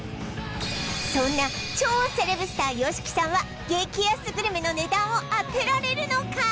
そんな超セレブスターＹＯＳＨＩＫＩさんは激安グルメの値段を当てられるのか？